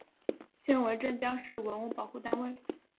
现为镇江市文物保护单位。